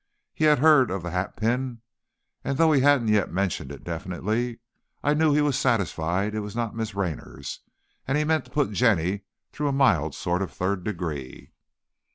He had heard of the hatpin, and though he hadn't yet mentioned it definitely, I knew he was satisfied it was not Miss Raynor's, and he meant to put Jenny through a mild sort of third degree.